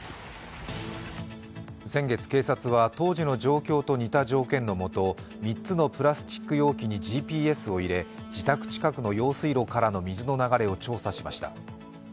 先月警察は当時の状況と似た条件のもと、３つのプラスチック容器にＧＰＳを入れ自宅近くの用水路からの水の流れを調査しました。